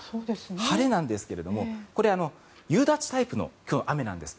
晴れなんですが夕立タイプの雨なんです。